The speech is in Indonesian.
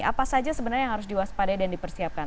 apa saja sebenarnya yang harus diwaspadai dan dipersiapkan